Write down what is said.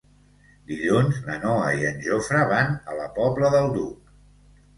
Dilluns na Noa i en Jofre van a la Pobla del Duc.